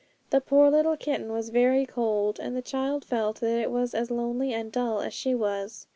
The poor little kitten was very cold, and the child felt that it was as lonely and dull as she was.